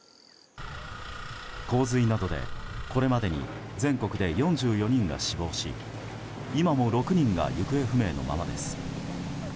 洪水などで、これまでに全国で４４人が死亡し今も６人が行方不明のままです。